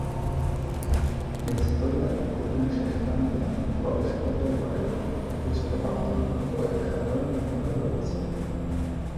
নিচতলায়, উঠোনের শেষ প্রান্তে ও প্রবেশপথের ওপারে, একটি ছোট প্রার্থনা কক্ষ ও একটি সাধারণ মিহরাব রয়েছে।